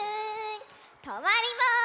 とまります！